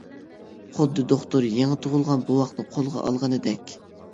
خۇددى دوختۇر يېڭى تۇغۇلغان بوۋاقنى قولىغا ئالغىنىدەك.